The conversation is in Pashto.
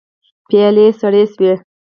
پيالې سړې شوې.